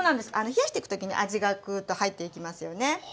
冷やしてく時に味がグーッと入っていきますよね。